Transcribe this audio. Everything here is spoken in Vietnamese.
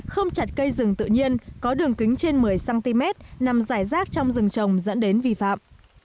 không chặt cây rừng tự nhiên có đường kính trên một mươi cm nằm giải rác trong rừng trồng dẫn đến vi phạm